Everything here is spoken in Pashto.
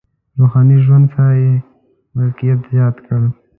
روحاني ژوند سره یې ملکیت زیات کړ.